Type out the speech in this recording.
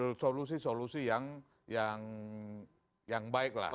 mengambil solusi solusi yang baiklah